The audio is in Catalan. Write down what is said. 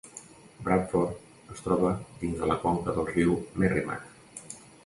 Bradford es troba dins de la conca del riu Merrimack.